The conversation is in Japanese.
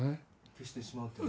消してしまうというのは？